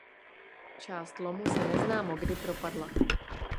Část lomu se neznámo kdy propadla.